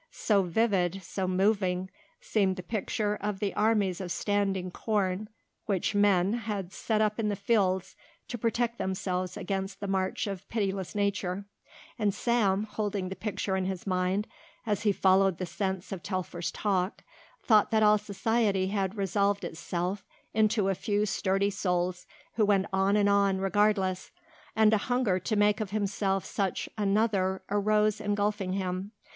So vivid, so moving, seemed the picture of the armies of standing corn which men had set up in the fields to protect themselves against the march of pitiless Nature, and Sam, holding the picture in his mind as he followed the sense of Telfer's talk, thought that all society had resolved itself into a few sturdy souls who went on and on regardless, and a hunger to make of himself such another arose engulfing him.